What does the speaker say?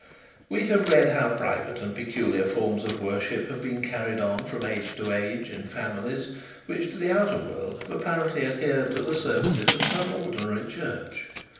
We have read how private and peculiar forms of worship have been carried on from age to age in families, which to the outer world have apparently adhered to the service of some ordinary church.